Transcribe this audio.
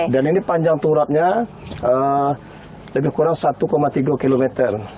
dan ini panjang turabnya lebih kurang satu tiga kilometer